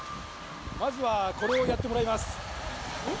まずはこれをやってもらいまえっ？